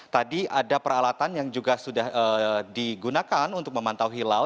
tadi ada peralatan yang juga sudah digunakan untuk memantau hilal